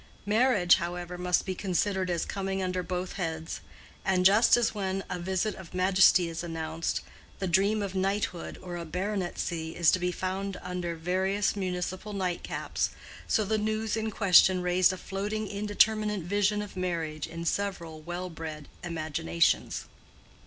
Marriage, however, must be considered as coming under both heads; and just as when a visit of majesty is announced, the dream of knighthood or a baronetcy is to be found under various municipal nightcaps, so the news in question raised a floating indeterminate vision of marriage in several well bred imaginations.